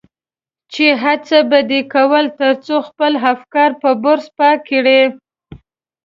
چې هڅه به دې کول تر څو خپل افکار په برس پاک کړي.